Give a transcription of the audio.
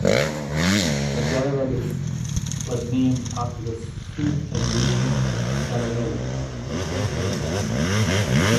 The Caravelles were named after the Sud Aviation Caravelle, a French aircraft.